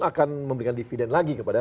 akan memberikan dividen lagi kepada